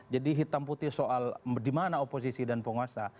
jadi hitam putih soal dimana oposisi dan penguasa